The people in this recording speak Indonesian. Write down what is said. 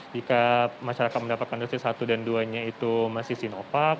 jika masyarakat mendapatkan dosis satu dan duanya itu masih sinovac